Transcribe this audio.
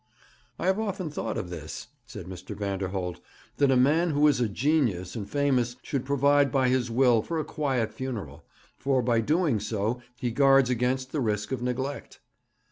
'I have often thought this,' said Mr. Vanderholt: 'that a man who is a genius and famous should provide by his will for a quiet funeral; for, by doing so, he guards against the risk of neglect.'